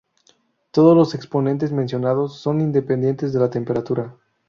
Todos los exponentes mencionados son independientes de la temperatura.